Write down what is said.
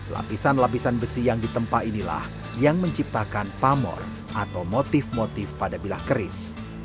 lapisan lapisan besi yang ditempa inilah yang menciptakan pamor atau motif motif pada bilah keris